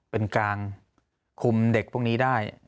เป็นการคุมเด็กพวกนี้ได้